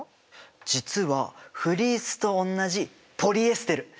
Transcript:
実はフリースとおんなじポリエステル。